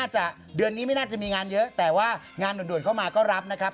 จะเดือนนี้ไม่น่าจะมีงานเยอะแต่ว่างานด่วนเข้ามาก็รับนะครับ